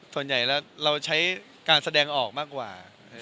ส่วนใหญ่แล้วเราใช้การแสดงออกมากว่า